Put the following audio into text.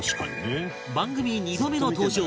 番組２度目の登場